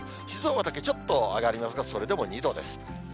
静岡だけちょっと上がりますが、それでも２度です。